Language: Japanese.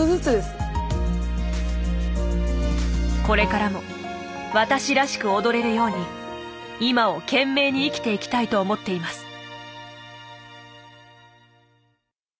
これからも私らしく踊れるように今を懸命に生きていきたいと思っています。